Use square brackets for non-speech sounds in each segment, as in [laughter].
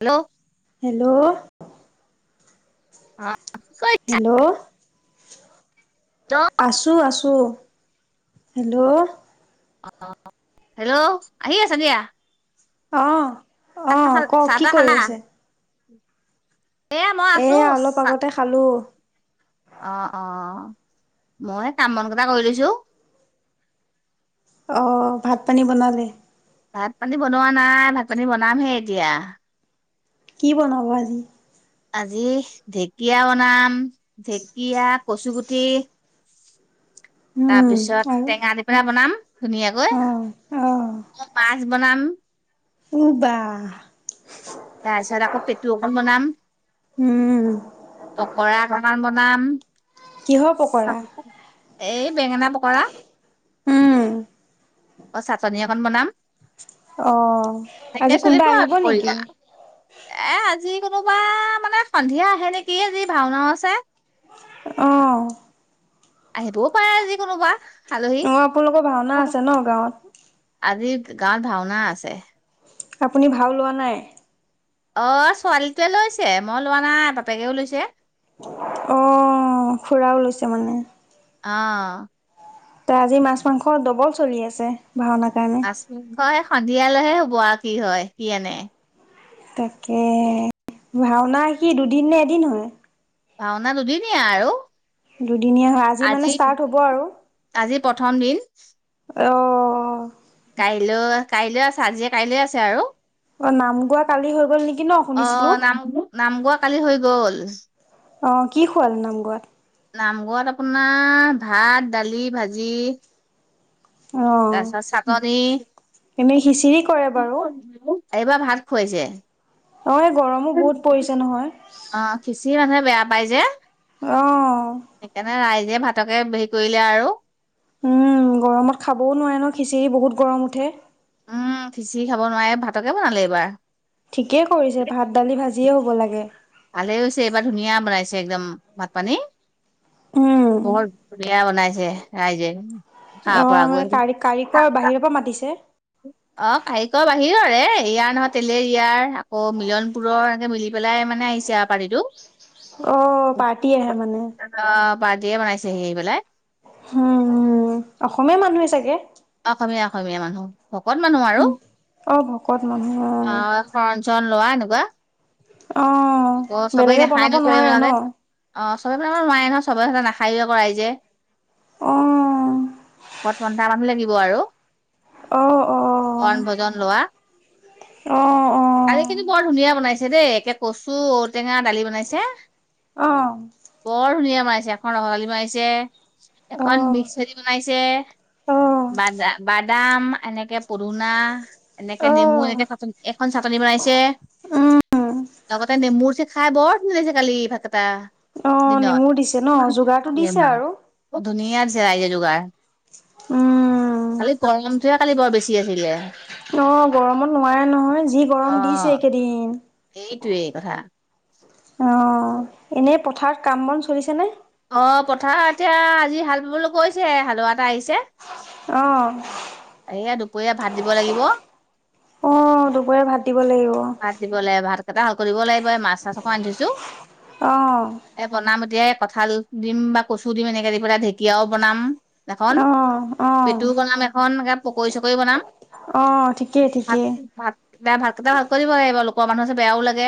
Hello hello অ কি কৰিছা হেল্ল' হেল্ল' আছো আছো হেল্ল' হেল্ল' আহি আছা দিয়া। অ', -অ', কওক কি কৰি আছে? [inaudible] এহ মই আছোঁ এয়া অ', অলপ আগতে খালোঁ - অ', মই কাম বন কেইটা কৰি লৈছো। অ', ভাত পানী বনালে? ভাত পানী বনোৱা নাই ভাত পানী বনামহে এতিয়া। কি বনাব আজি? আজি ঢেকীয়া বনাম ঢেকীয়া, কচু গুটি উম তাৰপিছত আৰু টেঙা দি পিনে বনাম ধুনীয়াকৈ, অঁ মাছ বনাম উহ বাহ। তাৰ পিছত আকৌ পেটু অকণ বনাম, উম পকৰা বনাম বনাম। কিহৰ পকৰা? এই বেঙেনা পকৰা। উম। অ চাটনি অকন বনাম। অ তাকে আজি কোনোবা চলিব আহিব আৰু কৰি নেকি? এ আজি কোনোবা মানে সন্ধিয়া আহে নেকি আজি ভাওনাও আছে। অহ আহিবও পাৰে আজি কোনোবা। আলহী অ আপোনালোকৰ ভাওনা আছে ন গাঁৱত? আজি গাঁৱত ভাওনা আছে। আপুনি ভাও লোৱা নাই? অ ছোৱালীটোৱে লৈছে মই লোৱা নাই বাপেকেও লৈছে। অ খুৰাও লৈছে মানে? আহ এ আজি মাছ মাংস ডবল চলি আছে। ভাওনাৰ কাৰণে মাছ মাংস সন্ধিয়ালৈহে হব আৰু কি হয় কি আনে। তাকে, ভাওনা সি দুদিন নে এদিন হব? ভাওনা দুদিনিয়া আৰু। দুদিনীয়া হয় আজি মানে ষ্টাৰ্ট হব আৰু। আজি প্ৰথম দিন অ কাইলৈ কাইলৈ আছে আজি কাইলৈ আছে আৰু। অ নাম গোৱা কালি হৈ গল নেকি ন অ শুনিছিলো নাম নাম গোৱা কালি হৈ গল অ কি খোৱাল নাম গোৱাত নাম গোৱাত আপোনাৰ ভাত দালি ভাজি অ' তাৰপিছত চাটনি এনেই খিচিৰি কৰে কি বাৰু কৰি এইবাৰ ভাত খোৱাইছে। অ' এই গৰমো বহুত পৰিছে নহয়। অ' খিচি মানুহে বেয়া পাই যে অ' সেইকাৰণে ৰাই জে ভাতকে হেৰি কৰিলে আৰু উম, গৰমত খাবও নোৱাৰে ন খিচিৰি বহুত গৰম উঠে। উম, সিচিৰি খাব নোৱাৰে ভাতকে বনালে এইবাৰ। ঠিকেই কৰিছে ভাত, দালি ভাজিয়ে হ'ব লাগে। ভালে হৈছে, এইবাৰ ধুনীয়া বনাইছে একদম ভাত পানী উম বহত ধুনীয়া বনাই ৰাইজে খাব অ' পৰাকৈ। মানে কাৰ কাৰিকৰ বাহিৰৰ পৰা মাতিছে? অহ' কাৰিকৰ বাহিৰত। ইয়াৰ নহয় তেলেৰ ইয়াৰ আকৌ মিলন পুৰৰ এনেকে মিলি পেলাই মানে আহিছে আৰু পাৰটিটো অ' পাৰ্টি আহে মানে। বাৰ্থডে বনাইছেহি আহি পেলাই উম অসমীয়া মানুহে চাগে অসমীয়া অসমীয়া মানুহ ভকত মানুহ আৰু অ' ভকত মানুহ অ'। আহ সৰ লোৱা এনেকুৱা অ' আকৌ চবেই বেলেগে নাখায় বনাব নো চব নোৱাৰে ন? বনালে অ চবেইবিলাক নোৱাই নহয় চবেতে নাখায়ে আকৌ ৰাইযে আহ কথ ঘন্টাামানহ লাগিব আৰু অ', অ', অ', বণ ভজন লোৱা অ', অ', দালিখিনি বৰ ধুনীয়া বনাইছে দেই একে কচু ঔটেঙা দালি বনাইছে অ বৰ ধুনীয়া বনাইছে এখন ৰসৰাালি বনাছে এখন মিক্স দি বনাইছে অ', বাদাম বাদাম এনেকে পদুনা এনেকে নেমু অ' এনেকে চাটনি এখন চাটনি বনাইছে উম। লগতে নেমুৰ চে খাই বৰ ধুনীয়া লাগিছে কালি ভাগ কেটা। অ' নেমুও দিছে ন? যোগাৰটো দিছে দিনত, আৰু। ধুনীয়া দিছে ৰাইজে যোগাৰ। উম, খালি গৰমটোহে কালি বৰ বেছি আছিলে। অ গৰমত নোৱাৰে নহয় যি গৰম দিছে এইকেইদিন। এইটোৱেই কথা। অ এনে পথাৰত কাম বন চলিছে নে? অ পথাৰ এতিয়া আজি হাল বাবলৈ গৈছে হালোৱা এটা আহিছে। অহ। এইয়া দুপৰীয়া ভাত দিব লাগিব। অ দুপৰীয়া ভাত দিব লাগিব। কটা হল কৰিব লাগিব এই মাছ-চাছ অকন আনি থৈছো অ', এই বনাম এতিয়া এই কঁঠাল দিম বা কচু দিম এনেকে দি পেলাই ঢেঁকীয়াও বনাম এখন, অ', অ', পেটু বনাম এখন এনেকে পকৰি-চকৰি বনাম অ', ঠিকেই ভাত ঠিকেই। ভাত ভাতকেইটা ভালকৈ দিব লাগিব, লো কৰ মানুহ আছে বেয়াও লাগে।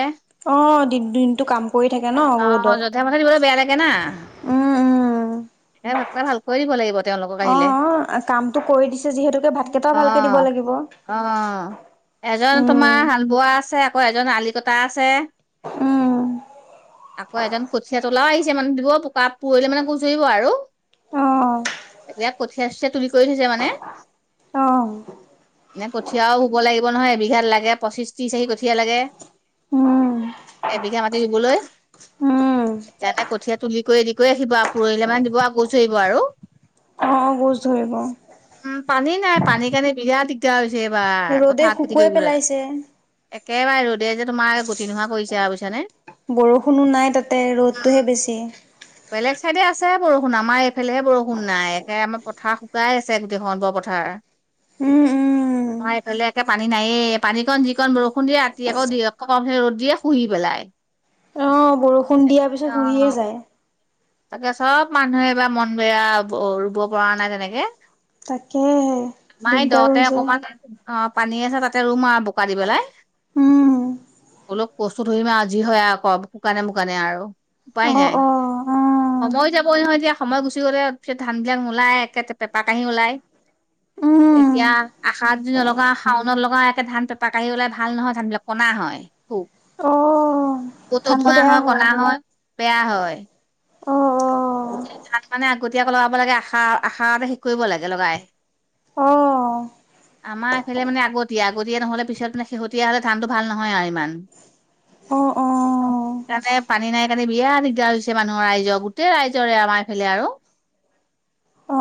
অ, দিন দিনটো কাম কৰি থাকে ন অ ৰ'দত। যধে মধে দিবলৈ বেয়া লাগে না। উম উম। এ ভাতকেইটা ভালকৈয়ে দিব লাগিব। তেওঁলোকক অ আহিলে কামটো কৰি দিছে যিহেতুকে ভাতকেইটাও অ ভালকে দিব লাগিব। অ এজন তোমাৰ উম, হাল বোৱা আছে, আকৌ এজন আলি কটা আছে। উম। আকৌ এজন কঠীয়া তোলাও আহিছে মানে দিব বোকা পৰশিলে মানে গোছ ধৰিব আৰু। অ', এতিয়া কঠিয়া-চঠিয়া তুলি কৰি থৈছে মানে। [unintelligible] এনে কঠীয়াও হ'ব লাগিব নহয়, এবিঘাত লাগে পঁচিশ ত্ৰিশ আশি কঠীয়া লাগে। উম। এবিঘা মাতি ৰুবলৈ। উম, যেনে কঠীয়া তুলি কৰি ৰেদি কৰি ৰাখিব আৰু পৰহিলে মান দিব আকো গৌছ ধৰিব আৰু। অ গোছ ধৰিব। উম পানী নাই পানী কাৰণে বিৰাট দিগদাৰ হৈছে এইবাৰ ৰ'দে পথাৰত খেতি শুকুৱাই কৰিবলে। পেলাইছে। একেবাৰে ৰ'দ দে যে তোমাৰ গুটি নহোৱা কৰিছে আৰু বুইছানে। বৰষুণো নাই তাতে ৰ'দতটোহে বেছি। বেলেগ চাইডে আছে বৰষুণ আমাৰ এইফালেহে বৰষুণ নাই একে আমাৰ পথাৰ শুকাই আছে গোটেইখন বৰ পথাৰ। উম উম। মই এইফলে একে পানী নায়েই পানীকণ যিকণ বৰষুণ দিয়ে ৰাতি আকৌ দুই এক পৰা ৰ'দ দিয়ে শুহি পেলাই। অ' বৰষুণ দিয়াৰ পিছত অ শুহিয়ে যায়। তাকে চব মানুহে এবাৰ মন বেয়া ৰুব পৰা নাই তেনেকে তাকেহে আমাই দিগদাৰ দহতে হৈছে অকমান অ', পানী আছে তাতে ৰুম আৰু বোকা দি পেলাই। উম, অলপ কষ্ট ধৰিমা আৰু যি হয় আক শুকানে মুুকানে আৰু উপায় অ নাই। অ অ সময়ো যাবই নহয় এতিয়া সময় গুচি গ'লে ত পিছত ধান বিলাক নোলাই একে পেপা কাঁহি ওলায়। উম এতিয়া আশাৰ যদি নলগা শাওনত লগা একে ধান পাকি ওলাই ভাল নহয় ধান বিলাক কনা হয়। হয়। অ', পতো ধানটো ধোৱা বেয়া হয় কটা হয় বেয়া হয়। অ সেইতি ধান মানে আগতীয়াকৈ লগাব লাগে আশা আশাৰতে শেষ কৰিব লাগে লগাই। অ অ', আমাৰ এইফালে মানে আগতীয়া আগতীয়া নহলে পিছত পে শেহতীয়া হলে ধানটো ভাল নহয় আৰু ইমান। হয়। কাৰণে পানী নাই কাৰণে বিৰা দিগদাৰ হৈছে মানুহৰ ৰাইজৰ। গোটেই ৰাইজৰে আমাই ফেলে আৰু। অ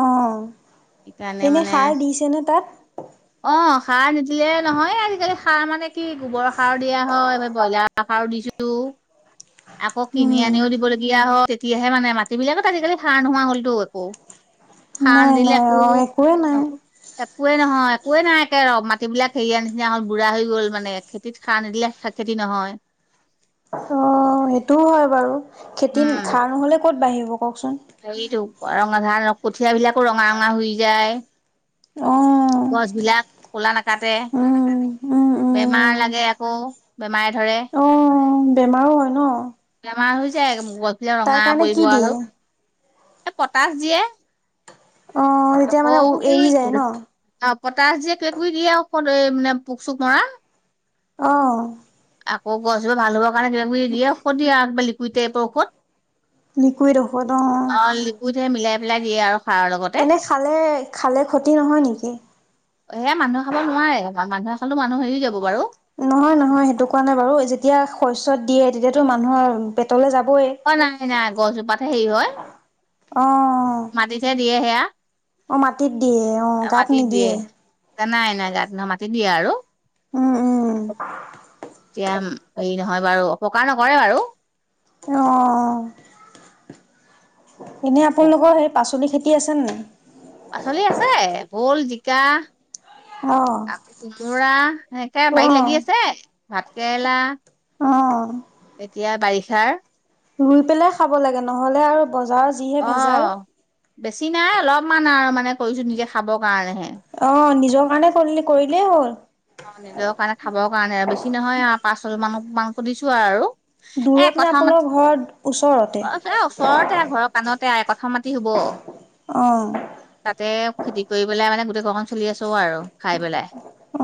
সেইকাৰণে এনে মানে সাৰ দিছেনে তাত অ', সাৰ নিদিলে নহয় আজিকালি সাৰ মানে কি গোবৰৰ সাৰো দিয়া হয় এই ব্ৰইলাৰ সাৰো দিছোঁ। উ [unintelligible] আকৌ কিনি আনিও দিবলগীয়া হ তেতিয়াহে মানে মাটিবিলাকত আজিকালি ধাৰ় নোহোৱা হলতো একো খান নাই দিলে। নাই অ একোৱে নাই কোৱে নহয় কোৱ নাই একে ৰ মাটিবিলাক হেৰিয়া নিচিনা হ'ল বুঢ়া হৈ গল মানে খেতিত সাৰ নিদিলে খেতি নহয়। অ', সেইটোও হয় বাৰু খেতি খাৰ নহ'লে ক'ত বাঢ়িব। কওকচোন হেটো ৰঙা ধান কঠিয় বিলাকো ৰঙা ৰঙা হৈ যায়। অ গছবিলাক কলা নাকাটে। উম উম উম বেমাৰ লাগে আকৌ বেমাৰে ধৰে। অ বেমাৰো হয় ন। বেমাৰ হৈ যায় গছ পিলাক তাৰ ৰঙা কাৰণে কি পৰিব আৰু। দিয়ে এ পটাচ দিয়ে অ', তেতিয়া আকৌ মানে এৰি যায় ন? অ', কটাচ দিয়ে কেকবি দিয়ে অ এই মানে পোক চোক মৰা। অহ, আকৌ গছবোৰ ভাল হ'ব কাৰণে কিব কিবি দিয়েঔষধ দিয় আৰুিব লিকুইডটাইপৰ ঔষধ। লিকুইড ঔষধ অ', অ মিলাই পেলাই দিয়ে আৰু। খাৰৰ লগতে এনে খালে খালে ক্ষতি নহয় নেকি? এই মানুহ খাব নোৱাৰে মানুহ খালে মানুহ হেৰি যাব বাৰু। নহয় নহয় সেইটো কোৱা নাই বাৰু যেতিয়া শস্যত দিয়ে তেতিয়াাতো মানুহৰ পেটলে যাব। অ' নাই-নাই গছজোপাতে হেৰি হয়। অহ, মাটিতহে দিয়ে সেয়া অ', গাত মাটতি দিয়ে নিদিয়ে। নাই এ ন গাত নহয় মাটিত। দিয়া আৰু। উম-উম, এতিয়া হেৰি নহয় বাৰু অপকাৰ নকৰে বাৰু অ এনেই আপোনালোকৰ সেই পাচলি খেতি কি আছে? পাচলি আছে ভোল জিকা। অ', আ খিজোৰা সেনেকে বাৰীত লাগি অ', আছে ভাত কেৰেলা। অ', এতিয়া বাৰিষাৰ ৰুই পেলাই খাব লাগে নহলে আৰু বজাৰৰ যিহে ভেজাল। অ', বেছি নাই অলপমান আৰু মানে কৰিছোঁ নিজে খাবৰ কাৰণেহে। যোগানে কৰিলি কৰিলে হ'ল। অ', নিজৰ কাৰণে খাবৰ কাৰণে আৰু বেছি নহয় পাঁচ ছ মান মানো দিছো আৰু আৰু এ! দূৰত নে কথা মতে আপোনালোকৰ ঘৰ ওচৰতে? অ', ওচৰতে ঘৰৰ কাণতে আ কথা মতে হ'ব। অ'। তাতে খেতি কৰি পেলাই মানে গোটেই ঘৰখন চলি আছো আৰু খাই পেলাই।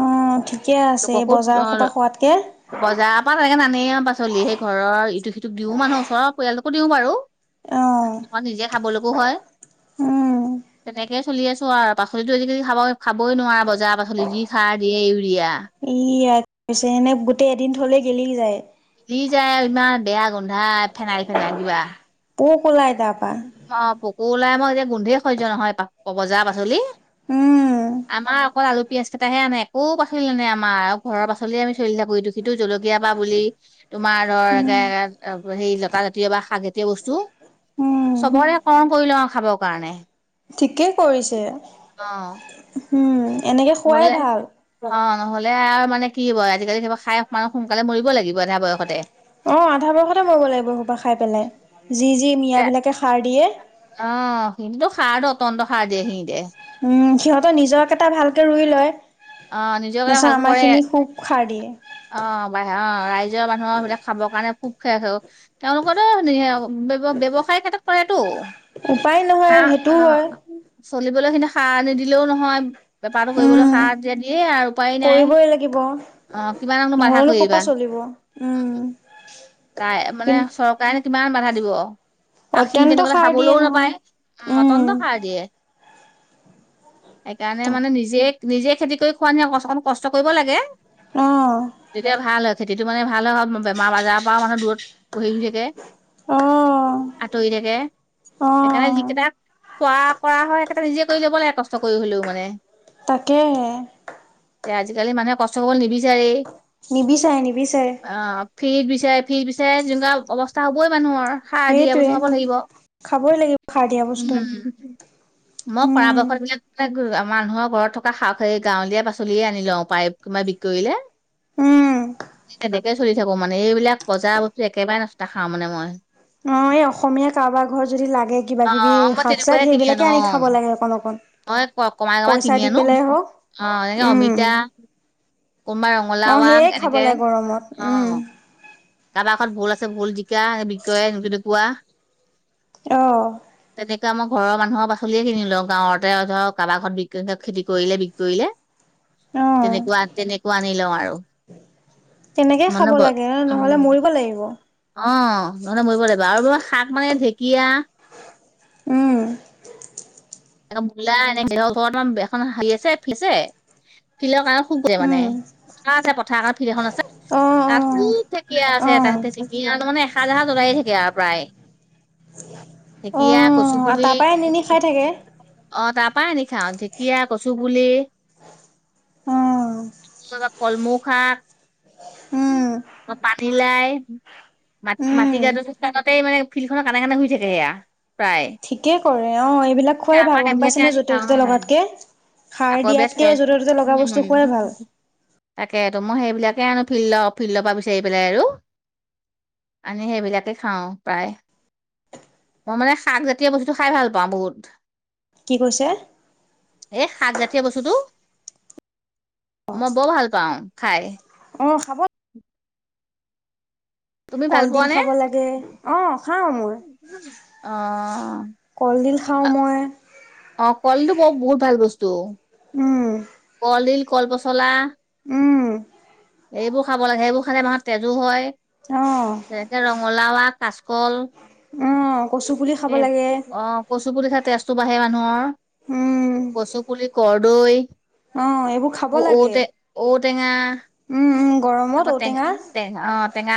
অ', ঠিকে আছে এই লোককো অ বজাৰসোপ পৰা খোৱাতকে। বজাৰৰ পৰা তেনেকে নানেই পাচলি সেই ঘৰৰ ইটো সিটো তোক দিও মানুহ ওচৰ পৰিয়ালটোকো দিওঁ বাৰু অ', তমাৰ নিজে খাবলৈকো হয়। উ'ম। তেনেকেই চলি আছো আৰু পাচলিতো আজিকালি খাব খাবই নোৱাৰা বজাৰ পাচলি যি খাৰ দিয়ে, ইউৰিয়া ই পছে এনে গোটেই এদিন থলে গেলি যায়। গেলি যায় ইমান বেয়া গোন্ধা ফেনাইল ফেনাইল কিবা। পোক ওলাই। তাৰপা অ', পোকো ওলাই মই এতিয়া গোন্ধেই সহ্য নহয় বজাৰৰ পাচলি। উম, আমাৰ অকল আলু পিয়াজকেইতাহে আনে একো পাচলি নানে আমাৰ আৰু ঘৰৰ পাচলিয়ে চলি থাকো ইটো- সিটো জল কীয়া, পা বুলি তোমাৰ ধৰ হেৰি লতা জাতীয় বা শাক জাতীয় বস্তু। উম। চবৰে কৰণ কৰি লওঁ খাবৰ কাৰণে ঠিকেই কৰিছে আহ উম এনেকে খুৱাই ভাল অ নহলে আৰু মানে কি হ আজিকালি সাৰ খাই মাৰিব লাগিব সোনকালে মৰিব লাগিব এধা বয়সতে অ আধা বয়সয়তে মৰিব লাগিব এই সোপা খাই পেলাই যি যি মিঞাবিলাকে সাৰ দিয়ে অ কিনটোটো সাৰো অতন্ত সাৰ দিয়ে সি দে উম সিহঁত নিজক কেটা ভালকে ৰুই লয় অ নিজৰ কাৰণে তাৰিছত ভালকৈ আমাৰ কৰে খিনি খুব খাৰ দিয়ে অ', বা অ', ৰাইজৰ মানুহৰ সেইবিলাক খাবৰ কাৰণে খুব খেও তেওঁলোকৰো ব ব্যৱসায়ৰ ক্ষেত্ৰত কৰেতটো উপায় নহয় সেইটোও হয় চলিবলৈ সিনি সাৰ নিদিলেও নহয় বেপাৰটো কৰিবলৈ উম। সাৰ দিয়া দিয়ে আৰু উপায় নাই কৰিবই লাগিব অ কিমানকনো বাধা নহলেনো ক' কৰিবা। পৰা চলিব উম কাই মানে কি চৰকাৰেনো কিমান বাধা দিব আও সি অত্যন্ত তেনেকলে সাৰ দিয়ে খাবলৈ নহয় নাপায় উম মটনটো সাৰ দিয়ে সেইকাৰণে তাক মানে নিজে নিজে খেতি কৰি খোৱা নিছিনা কষ্ট কন কষ্ট কৰিব লাগে অ তেতিয়া ভাল হয় খেতিটো মানে ভাল হয় বেমাৰ আজাৰ পাওঁ মানুহ দূৰত, পঢ়ি শুই থাকে অ আঁতৰি থাকে অ সেইকাৰণে যিকেইটাক চোৱা কৰা হয় একেটা নিজে কৰি যাব লাগে কষ্ট কৰি হলেও মানে তাকেহে যে আজিকালি মানুহে কষ্ট কৰিবলৈ নিবিচাৰে নিবিচাৰে নিবিচাৰে আহ ফ্ৰিত বি ফ্ৰিত বিচাৰে তেনেকুৱা অৱস্থা হবই মানুহৰ সাৰ দিয়া বস্তু সেইটোৱে খাব লাগিব উম খাবই লাগিব সাৰ দিয়া বস্তু মই উম পৰাপক্ষত এইবিলাক মানুহৰ ঘৰত থকা শাক সেই গাঁৱলীয়া পাচলিয়ে আনি লওঁ পায় কোনোবাই বিকি কৰিলে উম তেনেকে চলি থাকো মানে এইবিলাক বজাৰ বস্তু একেবাৰে নষ্টা খাওঁ মানে মই অ এই অসমীয়া কাৰোবাৰ ঘৰ যদি লাগে কিবা অ কিবি মই শাক তেনেকুৱাই চাক কিনি আনো সেইবিলাকে আনি খাব লাগে অকন অকন মই কমাই কমাই কিনি আনো অ এনেকে উম অমিতা কোনোবাই অ ৰঙলাও আগ সেয়ে খাব এনেকে লাগে গৰমত অ উম কাৰোবাৰ ঘৰত ভুল আছে ভুল জিকা বিক কেৰে তেনেকুৱা অহ তেনেকুৱা আমাৰ ঘৰৰ মানুহৰ পাচলিয়ে কিনি লওঁ গাঁৱতে ধৰক কাৰোবাক ঘৰত বিক কৰিছে খেতি কৰিলে বিক কৰিলে অ অ তেনেকুৱা তেনেকুৱা আনি লও আৰু তেনেকেই খাব মানে ব লাগে ন নহলে উম মৰিব লাগিব অ নহ'লে মৰিব লাগিব আৰু বাবা শাক মানে ঢেকীয়া উম, এ মূলা এনেক ওপৰত এখন হেৰি আছে ফিচে ফিলক আৰু খুবজে মানে উম, পথাৰ আছে পথাৰ এখনত ফিড এখন আছে অ', তাত অ', খুব ঢেঁকীয়া আছে অ', তাহাঁতে [unintelligible] এসাঁজ-এসাঁজ উলায়ে থাকে আৰু প্ৰায়। ঢেকীয়া, কচু অ', পুলি তাৰ পৰাই আনি আনি খাই থাকে। অ, তাৰপা আনিচা আৰু ঢেকীয়া, কচু পুলি অ', কলমৌ শাক উম, পানীলাই উম। মা-মাটি [unintelligible] তাতেই মানে ফিল্ড খনৰ কানে - কানে শই থাকে সেয়া। প্ৰায়। ঠিকেই কৰে অ, এইবিলাক এতিয়া খোৱাই আমাৰ ভাল গম এইবিলাকে পাইছে নে আনি য'তে ত'তে খাওঁ লগাতকে সাৰ আকৌ দিয়াতকে এবাৰ য'তে ত'তে লগা বস্তু খোৱাই ভাল। তাকে তো মই সেইবিলাকে আনো ফিল্ডৰ- ফিল্ডৰ পৰা বিচাৰি পেলাই আৰু। আনি সেইবিলাকে খাওঁ প্ৰায়। মই মানে শাক জাতীয় বস্তুতো খাই ভাল পাওঁ বহুত। কি কৈছে? এ শাকজাতীয় বস্তুটো মই বৰ ভাল পাওঁ খাই। অ', খাব তুমি ভাল কলডিল পোৱা নে? খাব লাগে, অ', খাওঁ মই। অ', কলডিল খাওঁ মই। অ', কলটো বৰ বহুত ভাল বস্তু। উম, কলডিল, কল-পচলা। উম, এইবোৰ খাব লাগে সেইবোৰ খালে মানুহৰ তেজো হয়। অ', তেতে ৰঙালাউ আও কাচকল। অ', কচু পুলি খাব লাগে অ, কচুপুলি খাই তেজ তেজটো বাঢ়ে মানুহৰ উম। কচুপুলি, কৰদৈ। অ', এইবোৰ খাব ঔ লাগে তে ঔ টেঙা। উম, উম, গৰমত আকৌ টেঙ ঔটেঙা। অ', টেঙা।